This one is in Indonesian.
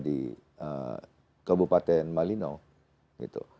di kabupaten malino